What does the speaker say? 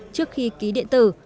trước khi ký điện tử